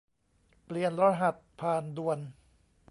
เปลี่ยนรหัสผ่านด่วน